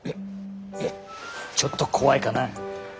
えちょっと怖いかな。